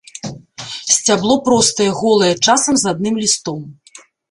Сцябло простае, голае, часам з адным лістом.